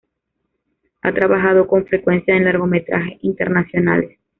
Ha trabajado con frecuencia en largometrajes internacionales.